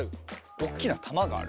おっきなたまがある。